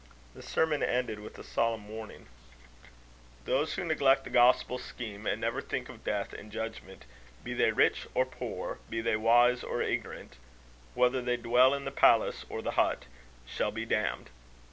The sermon ended with a solemn warning: "Those who neglect the gospel scheme, and never think of death and judgment be they rich or poor, be they wise or ignorant whether they dwell in the palace or the hut shall be damned.